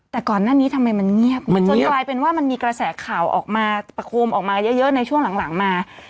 แต่ก่อนหน้านี้ทำไมมันเงียบจนกลายเป็นว่ามันมีกระแสข่าวออกมาประโคมออกมาเยอะในช่วงหลังมา